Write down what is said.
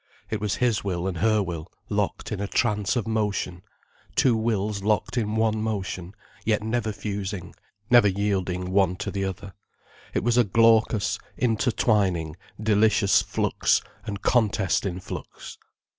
It was his will and her will locked in a trance of motion, two wills locked in one motion, yet never fusing, never yielding one to the other. It was a glaucous, intertwining, delicious flux and contest in flux.